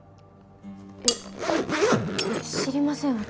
えっ知りません私